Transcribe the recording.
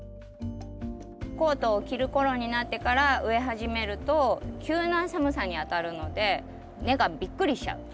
コートを着る頃になってから植え始めると急な寒さにあたるので根がびっくりしちゃう。